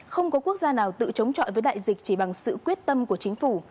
không có quốc gia nào tự chống trọi với đại dịch chỉ bằng sự quyết tâm của chính phủ